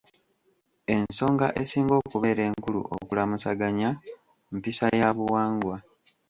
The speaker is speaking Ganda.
Ensonga esinga okubeera enkulu okulamusaganya mpisa ya buwangwa